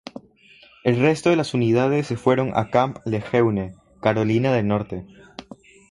El resto de las unidades se fueron a Camp Lejeune, Carolina del Norte.